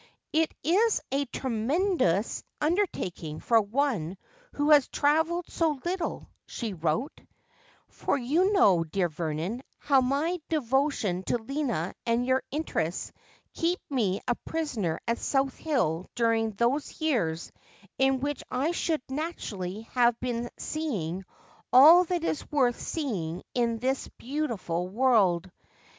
' It is a tremendous undertaking for one who has travelled so little,' she wrote ;' for you know, dear Vernon, how my devo tion to Lina and your interests kept me a prisoner at South Hill during those years in which I should naturally have been seeing all that is worth seeing in this beautiful world.